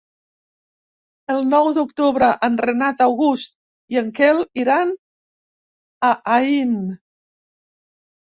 El nou d'octubre en Renat August i en Quel iran a Aín.